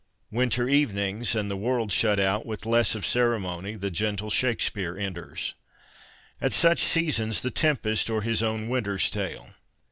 Winter evenings — and 32 CONFESSIONS OF A BOOK LOVER the world shut out — with less of ceremony the gentle Shakespeare enters. At such seasons The Tempest, or his own Winter's Tale.